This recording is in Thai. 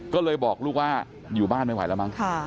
ก็เลยบอกลูกว่าอยู่บ้านไม่ไหวแล้วมั้ง